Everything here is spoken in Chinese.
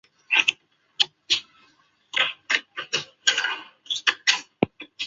短芒纤毛草为禾本科鹅观草属下的一个变种。